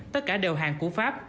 tất cả đều hàng của pháp